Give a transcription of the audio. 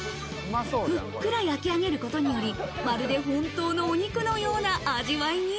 ふっくら焼き上げることにより、まるで本当のお肉のような味わいに。